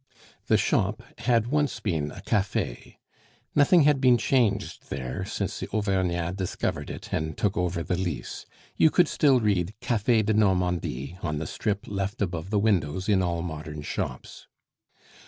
The shop had once been a cafe. Nothing had been changed there since the Auvergnat discovered it and took over the lease; you could still read "Cafe de Normandie" on the strip left above the windows in all modern shops.